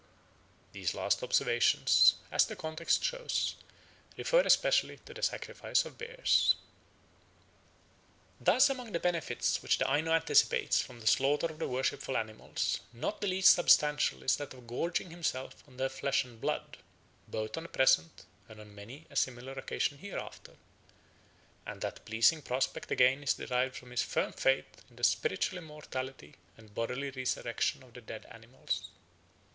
These last observations, as the context shows, refer especially to the sacrifice of bears. Thus among the benefits which the Aino anticipates from the slaughter of the worshipful animals not the least substantial is that of gorging himself on their flesh and blood, both on the present and on many a similar occasion hereafter; and that pleasing prospect again is derived from his firm faith in the spiritual immortality and bodily resurrection of the dead animals.